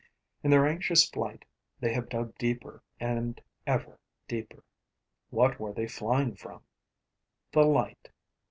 In their anxious flight, they have dug deeper and ever deeper. What were they flying from? The light.